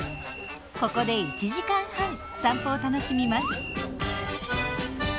ここで１時間半散歩を楽しみます。